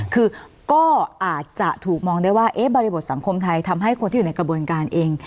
คือก็อาจจะถูกมองได้ว่าบริบทสังคมไทยทำให้คนที่อยู่ในกระบวนการเอง